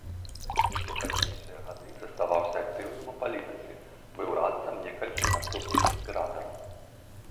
Усе пазнейшыя гады заставаўся актыўным у палітыцы, быў радцам некалькіх наступных імператараў.